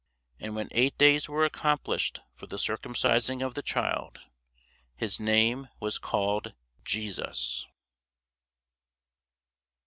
And when eight days were accomplished for the circumcising of the child, his name was called JESUS.